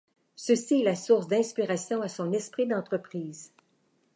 Ceci est la source d'inspiration à son esprit d'entreprise.